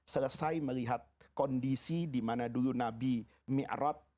selesai melihat kondisi dimana dulu nabi mi'rat